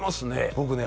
僕ね